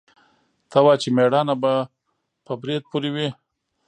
ته وا چې مېړانه به په برېت پورې وي.